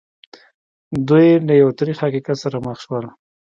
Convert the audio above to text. دوی له یو تریخ حقیقت سره مخ شول